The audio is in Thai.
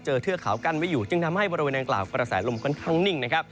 เทือกเขากั้นไว้อยู่จึงทำให้บริเวณอังกล่าวกระแสลมค่อนข้างนิ่งนะครับ